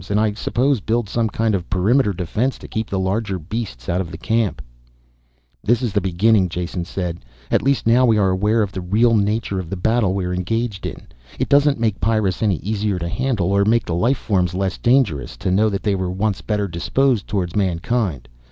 And I suppose build some kind of perimeter defense to keep the larger beasts out of the camp.' "This is a beginning," Jason said. "At least now we are aware of the real nature of the battle we're engaged in. It doesn't make Pyrrus any easier to handle, or make the life forms less dangerous, to know that they were once better disposed towards mankind.